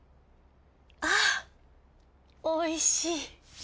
あおいしい。